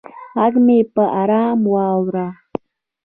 غږ مې په ارامه واوره